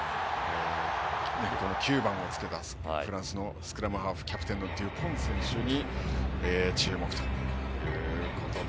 ９番をつけたフランスのスクラムハーフキャプテンのデュポン選手に注目ということで。